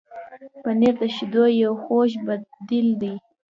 پنېر د شیدو یو خوږ بدیل دی.